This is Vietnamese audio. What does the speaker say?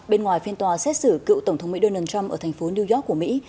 bên ngoài phiên tòa xét xử cựu tổng thống mỹ donald trump ở thành phố new york của mỹ